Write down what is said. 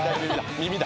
耳だ」